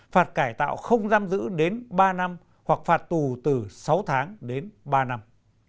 phạt cải tạo không giam giữ đến ba năm hoặc phạt tù từ sáu tháng đến ba năm